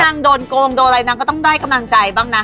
โดนโกงโดนอะไรนางก็ต้องได้กำลังใจบ้างนะ